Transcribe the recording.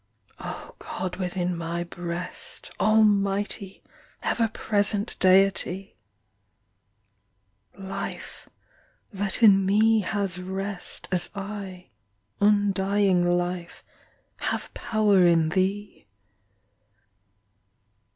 O God within my breast, Almighty, ever present Deity! Life that in me has rest, As I undying Life have power in thee!